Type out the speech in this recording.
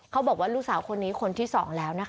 เขาบอกว่าลูกสาวคนนี้คนที่๒แล้วนะคะ